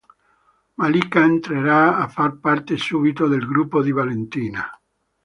Malika entrerà a far parte subito del gruppo di Valentina.